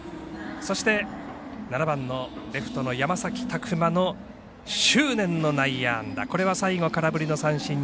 そして７番のレフトの山崎琢磨の執念の内野安打。